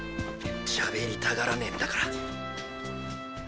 しゃべりたがらねんだから